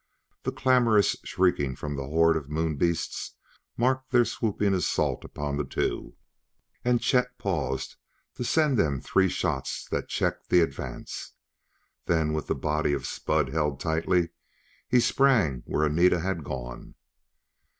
The clamorous shrieking from the horde of Moon beasts marked their swooping assault upon the two, and Chet paused to send them three shots that checked the advance. Then, with the body of Spud held tightly, he sprang where Anita had gone.